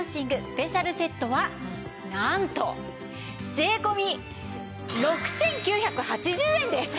スペシャルセットはなんと税込６９８０円です。